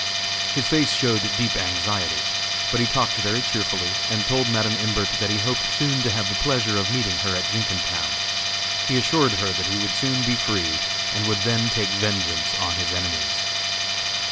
His face showed deep anxiety, but he talked very cheerfully and told Madam Imbert that he hoped soon to have the pleasure of meeting her at Jenkintown. He assured her that he would soon be free and would then take vengeance on his enemies.